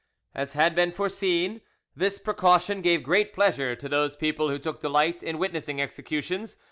As had been foreseen, this precaution gave great pleasure to those people who took delight in witnessing executions.